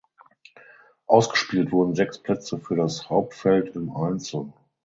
Ausgespielt wurden sechs Plätze für das Hauptfeld im Einzel.